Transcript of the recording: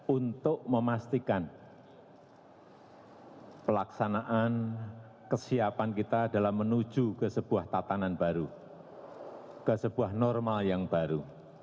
untuk memastikan pelaksanaan kesiapan kita dalam menuju ke sebuah tatanan baru ke sebuah normal yang baru